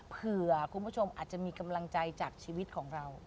เผื่อคุณผู้ชมอาจจะมีกำลังใจจากชีวิตของเรา